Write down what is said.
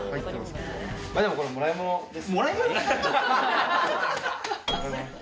これもらいものです。